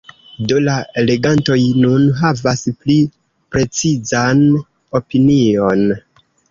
Do la legantoj nun havas pli precizan opinion.